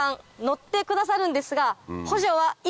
乗ってくださるんですが。